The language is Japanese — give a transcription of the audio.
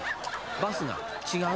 バスが違う⁉